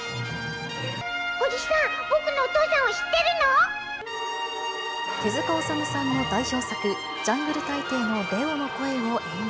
おじさん、僕のお父さんを知手塚治虫さんの代表作、ジャングル大帝のレオの声を演じ。